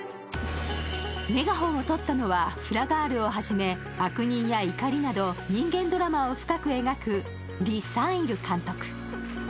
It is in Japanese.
メガホンを撮ったのは、「フラガール」を初め「悪人」や「怒り」など人間ドラマを深く描く李相日監督。